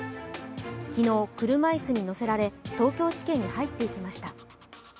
昨日、車椅子に乗せられ東京地検に入っていきました。